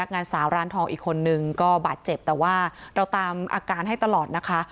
งานสาวร้านทองอีกคนนึงก็บาดเจ็บแต่ว่าเราตามอาการให้ตลอดนะคะ